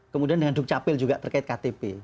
kemudian dengan dukcapil juga terkait ktp